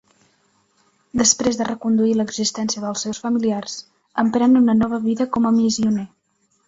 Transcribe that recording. Després de reconduir l'existència dels seus familiars, emprèn una nova vida com a missioner.